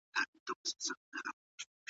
زموږ داخلي صنعت لا هم وروسته پاته دی.